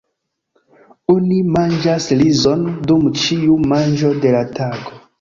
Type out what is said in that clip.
Oni manĝas rizon dum ĉiu manĝo de la tago.